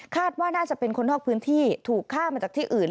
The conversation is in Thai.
ว่าน่าจะเป็นคนนอกพื้นที่ถูกฆ่ามาจากที่อื่น